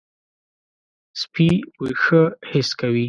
سپي بوی ښه حس کوي.